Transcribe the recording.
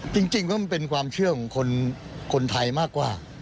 จริงแล้วมันเป็นความเชื่อของคนไทยมากกว่า